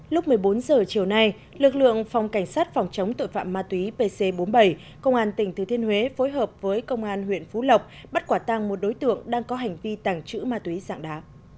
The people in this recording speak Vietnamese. lúc một mươi bốn h chiều nay lực lượng phòng cảnh sát phòng chống tội phạm ma túy pc bốn mươi bảy công an tỉnh thừa thiên huế phối hợp với công an huyện phú lộc bắt quả tăng một đối tượng đang có hành vi tàng trữ ma túy dạng đá